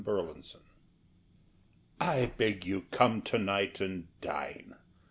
THE MENU I beg you come to night and dine.